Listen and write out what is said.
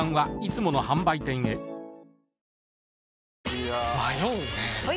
いや迷うねはい！